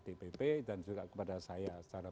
dpp dan juga kepada saya secara